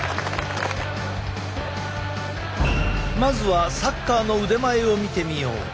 まずはサッカーの腕前を見てみよう。